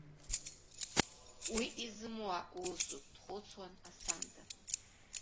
Уи изымуа усуп, дхәыцуан Асҭанда.